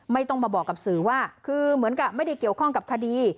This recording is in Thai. ไม่ต้องมาบอกกับสื่อว่าคือเหมือนกับไม่ได้เกี่ยวข้องกับคดี